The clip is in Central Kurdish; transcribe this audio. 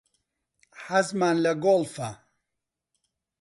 حەزمان لە گۆڵفە.